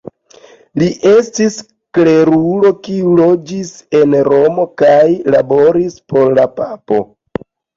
Li estis klerulo kiu loĝis en Romo kaj laboris por la papo.